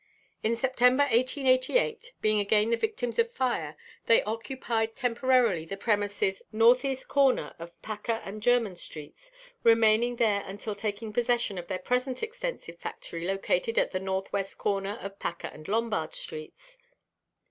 In September, 1888, being again the victims of fire, they occupied temporarily the premises N. E. cor. Paca and German streets, remaining there until taking possession of their present extensive factory located at the N. W. cor. of Paca and Lombard streets.